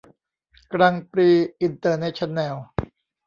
กรังด์ปรีซ์ อินเตอร์เนชั่นแนล